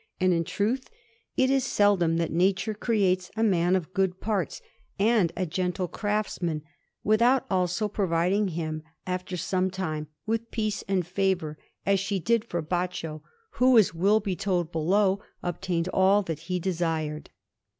And in truth, it is seldom that nature creates a man of good parts and a gentle craftsman, without also providing him, after some time, with peace and favour, as she did for Baccio, who, as will be told below, obtained all that he desired.